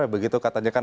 begitu katanya kan